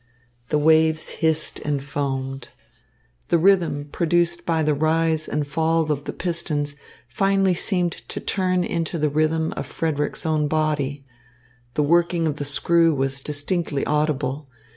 The waves hissed and foamed. The rhythm produced by the rise and fall of the pistons finally seemed to turn into the rhythm of Frederick's own body. The working of the screw was distinctly audible.